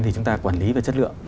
thì chúng ta quản lý về chất lượng